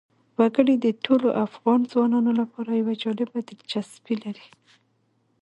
وګړي د ټولو افغان ځوانانو لپاره یوه جالبه دلچسپي لري.